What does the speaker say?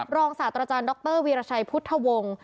ศาสตราจารย์ดรวีรชัยพุทธวงศ์